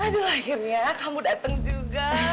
aduh akhirnya kamu datang juga